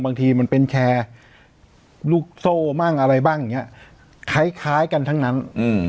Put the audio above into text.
บางทีมันเป็นแชร์ลูกโซ่บ้างอะไรบ้างอย่างเงี้ยคล้ายกันทั้งนั้น